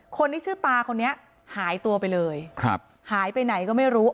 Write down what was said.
คนที่ชื่อตาคนนี้หายตัวไปเลยครับหายไปไหนก็ไม่รู้